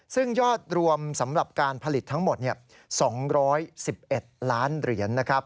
ซึ่งยอดรวมสำหรับการผลิตทั้งหมด๒๑๑ล้านเหรียญนะครับ